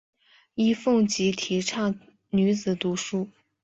尹奉吉提倡女子读书。